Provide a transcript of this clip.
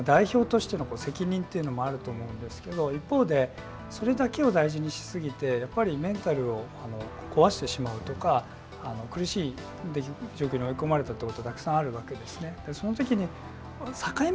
あとは代表としての責任というのもあると思うんですけれども一方でそれだけを大事にし過ぎてやっぱりメンタルを壊してしまうとか苦しい状況に追い込まれたことはたくさんあるんですね。